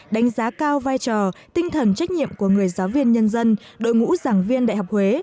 đánh giá cao vai trò tinh thần trách nhiệm của người giáo viên nhân dân đội ngũ giảng viên đại học huế